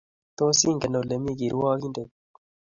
Tos ingen ole mi kirwakindet?